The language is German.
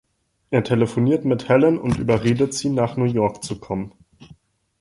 Er telefoniert mit Helen und überredet sie, nach New York zu kommen.